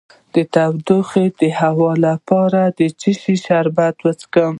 د تودوخې د وهلو لپاره د څه شي شربت وڅښم؟